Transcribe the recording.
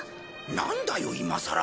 なんだよ今さら。